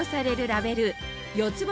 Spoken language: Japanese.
ラベル４つ星